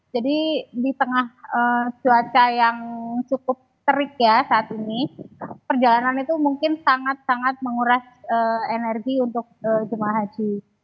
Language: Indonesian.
jadi di tengah cuaca yang cukup serik saat ini perjalanan itu mungkin sangat sangat menguras energi untuk jemaah haji